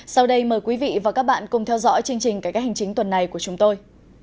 sau đây mời quý vị và các bạn cùng theo dõi chương trình cải cách hành chính tuần này của chúng tôi